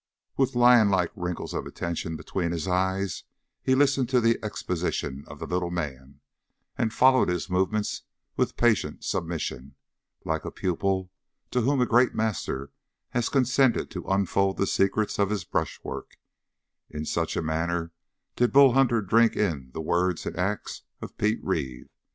With lionlike wrinkles of attention between his eyes, he listened to the exposition of the little man, and followed his movements with patient submission like a pupil to whom a great master has consented to unfold the secrets of his brushwork; in such a manner did Bull Hunter drink in the words and the acts of Pete Reeve.